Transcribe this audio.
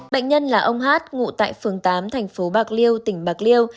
bệnh nhân là ông hát ngụ tại phường tám thành phố bạc liêu tỉnh bạc liêu